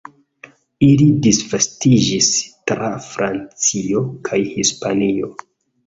Ili disvastiĝis tra Francio kaj Hispanio.